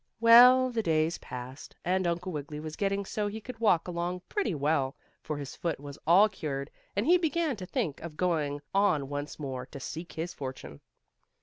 Well, the days passed, and Uncle Wiggily was getting so he could walk along pretty well, for his foot was all cured, and he began to think of going on once more to seek his fortune.